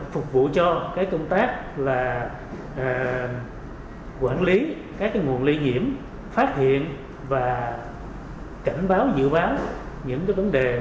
phục vụ cho công tác là quản lý các nguồn lây nhiễm phát hiện và cảnh báo dự báo những vấn đề